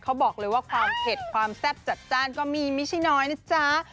เขาบอกเลยว่าความเผ็ดความแซ่บจัดจ้านก็มีไม่ใช่น้อยนะจ๊ะ